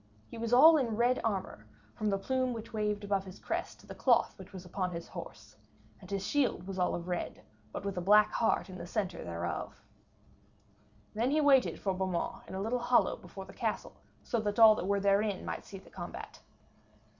He was all in red armour, from the plume which waved upon his crest to the cloth which was upon his horse. And his shield was all of red, with but a black heart in the centre thereof. Then he waited for Beaumains in a little hollow before the castle, so that all that were therein might see the combat.